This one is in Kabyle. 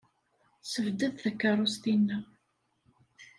Ssebded takeṛṛust-inna.